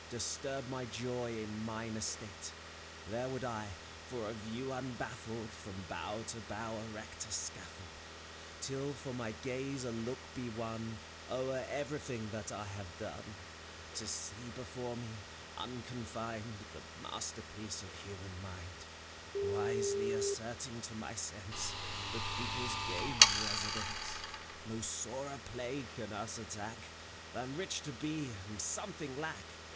Disturb my joy in mine estate. There would I, for a view unbaffled. From bough to bough erect a scaffold, Till for my gaze a look be won O'er everything that I have done, — To see before me, unconfined, The masterpiece of human mind, Wisely asserting to my sense The people's gain of residence. No sorer plague can us attack, Than rich to be, and something lack!